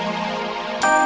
ya makasih um rapat